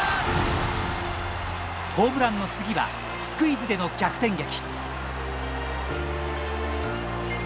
ホームランの次はスクイズでの逆転劇。